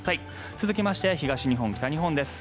続きまして東日本、北日本です。